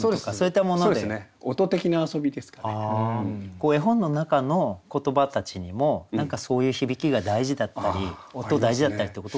こう絵本の中の言葉たちにも何かそういう響きが大事だったり音大事だったりってことがあるんですか？